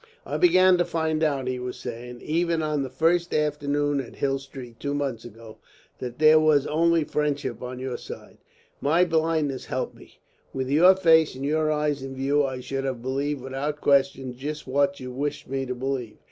"I began to find out," he was saying, "even on that first afternoon at Hill Street two months ago, that there was only friendship on your side. My blindness helped me. With your face and your eyes in view I should have believed without question just what you wished me to believe.